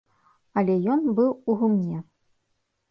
Але ён быў у гумне.